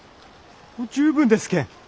もう十分ですけん。